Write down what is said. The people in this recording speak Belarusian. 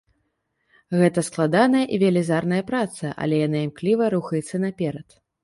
Гэта складаная і вялізная праца, але яна імкліва рухаецца наперад.